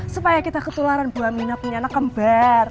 supaya kita ketularan buah mina punya anak kembar